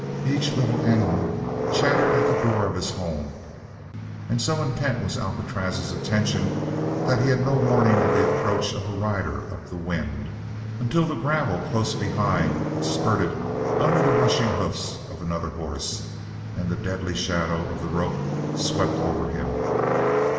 Each little animal chattered at the door of his home and so intent was Alcatraz's attention that he had no warning of the approach of a rider up the wind until the gravel close behind spurted under the rushing hoofs of another horse and the deadly shadow of the rope swept over him.